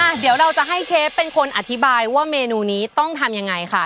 เดี๋ยวเราจะให้เชฟเป็นคนอธิบายว่าเมนูนี้ต้องทำยังไงค่ะ